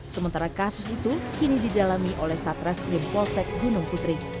sementara kasus itu kini didalami oleh satreskrim polsek gunung putri